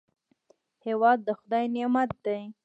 هېواد د خدای نعمت دی